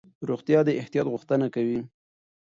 روغتیا د احتیاط غوښتنه کوي.